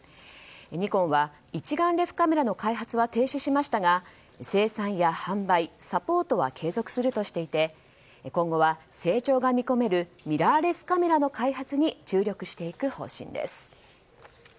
ニコンは一眼レフカメラの開発は停止しましたが生産や販売、サポートは継続するとしていて今後は成長が見込めるミラーレスカメラの開発に注力していく方針です。